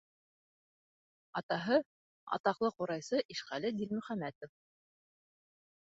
Атаһы — атаҡлы ҡурайсы Ишҡәле Дилмөхәмәтов.